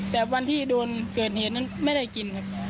แต่วันที่โดนเกิดเหตุนั้นไม่ได้กินครับ